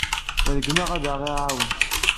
Iṛeggem-aɣ ad aɣ-iɛawen.